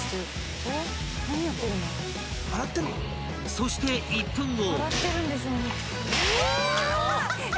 ［そして１分後］